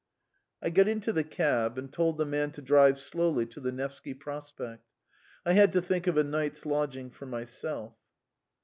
I got into the cab and told the man to drive slowly to the Nevsky Prospect. I had to think of a night's lodging for myself.